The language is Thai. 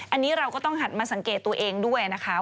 อันนี้เราก็ต้องหัดมาสังเกตตัวเองด้วยนะคะ